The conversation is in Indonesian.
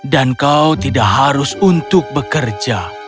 dan kau tidak harus untuk bekerja